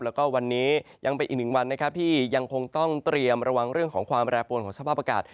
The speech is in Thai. แล้วก็วันนี้ยังเป็นอีกหนึ่งวันนะครับที่ยังคงต้องเตรียมระวังเรื่องของความแปรปวนของสภาพอากาศ